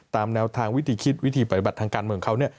ตามแนวทางวิธีคิดวิธีปฏิบัติทางการเมืองเขา